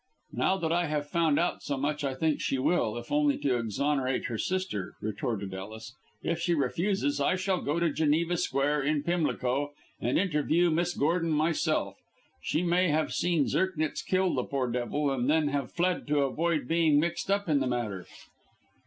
"Now that I have found out so much I think she will, if only to exonerate her sister," retorted Ellis. "If she refuses, I shall go to Geneva Square, in Pimlico, and interview Miss Gordon myself. She may have seen Zirknitz kill the poor devil, and then have fled to avoid being mixed up in the matter."